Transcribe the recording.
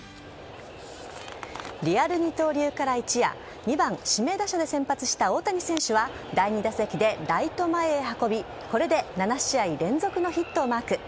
リアル二刀流から一夜２番・指名打者で先発した大谷選手は第２打席でライト前へ運びこれで７試合連続のヒットをマーク。